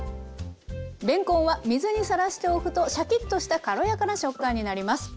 れんこんは水にさらしておくとシャキッとした軽やかな食感になります。